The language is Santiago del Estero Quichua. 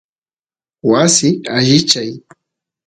wasi allichay